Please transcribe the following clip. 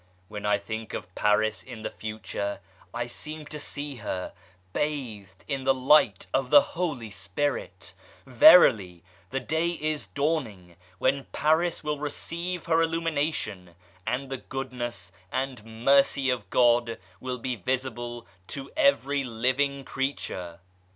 When I think of Paris in the future, I seem to see her bathed in the Light of the Holy Spirit 1 Verily, the day is dawning when Paris will receive her Illumina tion, and the Goodness and Mercy of God will be visible to every living creature.